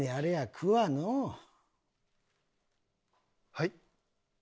はい？